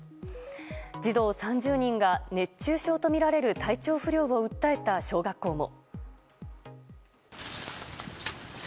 児童３０人が熱中症とみられる体調不良を訴えた小学校も。